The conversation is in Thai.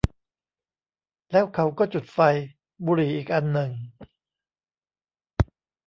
แล้วเขาก็จุดไฟ บุหรี่อีกอันหนึ่ง